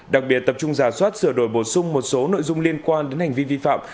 đặc biệt tập trung giả soát sửa đổi bổ sung một số nội dung liên quan đến hành vi vi phạm